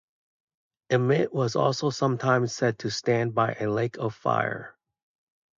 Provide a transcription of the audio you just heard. Ammit was also sometimes said to stand by a lake of fire.